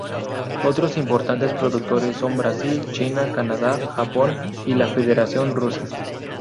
Otros importantes productores son Brasil, China, Canadá, Japón y la Federación Rusa.